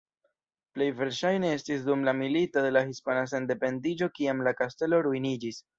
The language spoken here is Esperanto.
Plej verŝajne estis dum la Milito de Hispana Sendependiĝo kiam la kastelo ruiniĝis.